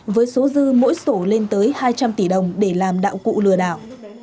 với số dư mỗi sổ lên tới hai trăm linh tỷ đồng để làm đạo cụ lừa đảo